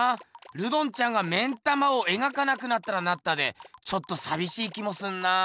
ルドンちゃんが目ん玉を描かなくなったらなったでちょっとさびしい気もするなあ。